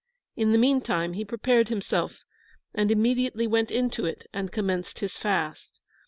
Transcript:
In the meantime he prepared himself, and immediately went into it, and commenced his fast.